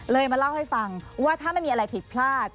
มาเล่าให้ฟังว่าถ้าไม่มีอะไรผิดพลาด